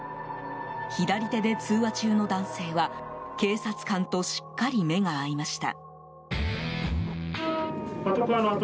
左手で通話中の男性は警察官としっかり目が合いました。